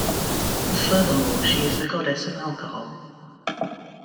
Furthermore, she is the goddess of alcohol.